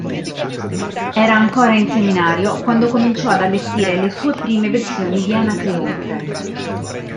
Era ancora in seminario, quando cominciò ad allestire le sue prime versioni di Anacreonte.